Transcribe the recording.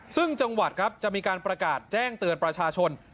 ซึ่งจังหวัดครับจะมีการประกาศแจ้งเตือนประชาชน